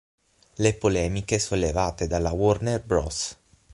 Le polemiche sollevate dalla Warner Bros.